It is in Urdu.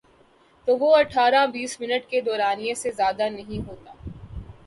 تو وہ اٹھارہ بیس منٹ کے دورانیے سے زیادہ نہیں ہوتا۔